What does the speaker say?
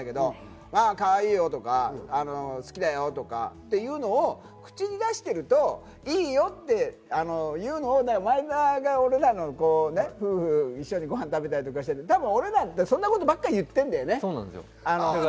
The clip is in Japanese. カワイイよとか好きだよとかいうのを口に出しているといいよって言うのを前田が俺ら夫婦と一緒にごはん食べたりしていて俺らそのことばかり言ってるんだよね。